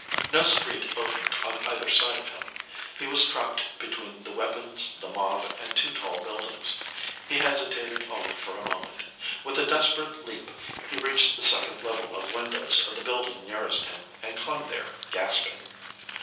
No street opened on either side of him. He was trapped between the weapons, the mob, and two tall buildings. He hesitated only for a moment. With a desperate leap, he reached the second level of windows of the building nearest him and clung there, gasping.